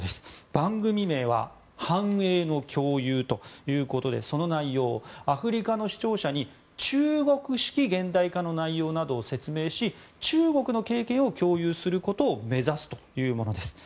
番組名は「繁栄の共有」でその内容、アフリカの視聴者に中国式現代化の内容などを説明し中国の経験を共有することを目指すというものです。